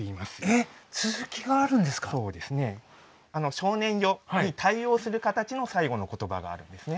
「少年よ」に対応する形の最後の言葉があるんですね。